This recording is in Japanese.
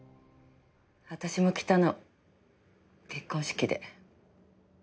私も着たの結婚式で。